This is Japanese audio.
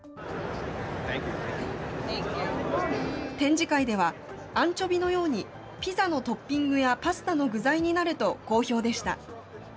展示会では、アンチョビのようにピザのトッピングやパスタの具材になると好評でした。